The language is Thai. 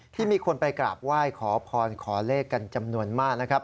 ที่มีคนไปกราบไหว้ขอพรขอเลขกันจำนวนมากนะครับ